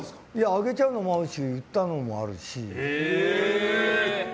あげちゃうのもあるし売ったのもあるし。